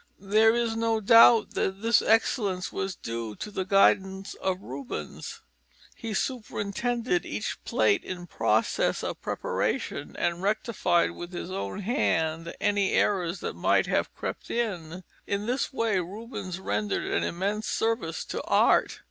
There is no doubt that this excellence was due to the guidance of Rubens. He superintended each plate in process of preparation and rectified with his own hand any errors that might have crept in. In this way Rubens rendered an immense service to art.